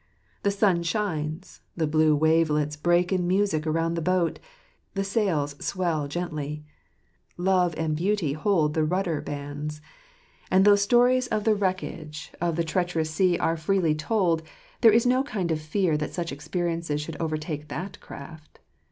The sun shines ; the blue wavelets break in music around the boat ; the sails swell gently ; Love and Beauty hold the rudder bands; and though stories of the wreckage of the 54 flttauit&mtotr anb Imprisoneft. treacherous sea are freely told, there is no kind of fear that such experiences should ever overtake that craft.